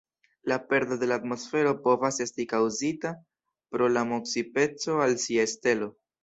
La perdo de la atmosfero povas esti kaŭzita pro la proksimeco al sia stelo.